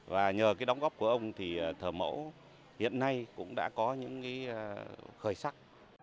và nhờ cái đóng góp của ông thì thờ mẫu hiện nay cũng đã có những cái khởi sắc